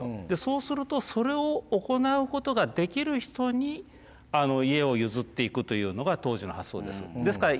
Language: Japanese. でそうするとそれを行うことができる人に家を譲っていくというのが当時の発想です。